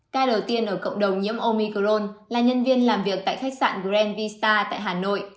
ca đầu tiên ở cộng đồng nhiễm omicrone là nhân viên làm việc tại khách sạn green vista tại hà nội